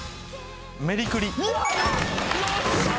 メリクリ。